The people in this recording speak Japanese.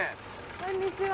こんにちは。